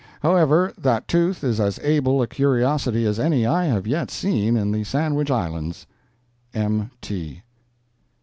However, that tooth is as able a curiosity as any I have yet seen in the Sandwich Islands. M. T.